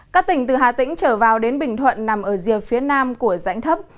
các tỉnh từ hà tĩnh trở vào đến bình thuận nằm ở rìa phía nam của rãnh thấp